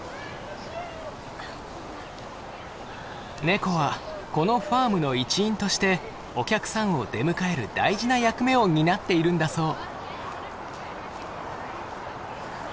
ネコはこのファームの一員としてお客さんを出迎える大事な役目を担っているんだそう。